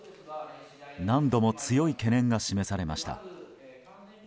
何度も強い懸念が示されました。